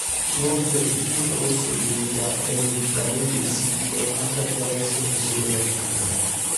Inoltre il punto rosso di mira è nitidamente visibile anche attraverso un visore notturno.